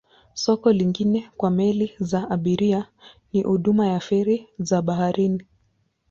Soko lingine kwa meli za abiria ni huduma ya feri za baharini.